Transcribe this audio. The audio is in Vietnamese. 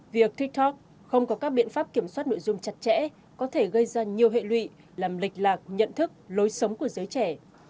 việc tiktok không có các biện pháp kiểm soát nội dung chặt chẽ có thể gây ra nhiều hệ lụy làm lệch lạc nhận thức lối sống của giới trẻ